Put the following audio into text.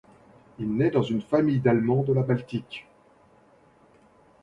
Il naît dans une famille d'Allemands de la Baltique.